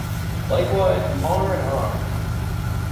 Likewise, R and R!